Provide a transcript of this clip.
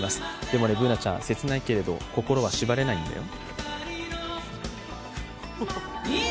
でもね、Ｂｏｏｎａちゃん、切ないけれど心は縛れないんだよ。